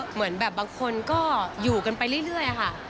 เหมือนแบบบางคนก็อยู่กันไปเรื่อยค่ะ